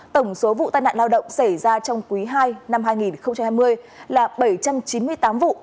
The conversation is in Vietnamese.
tổng số vụ tai nạn lao động xảy ra trong quý ii năm hai nghìn hai mươi là bảy trăm chín mươi tám vụ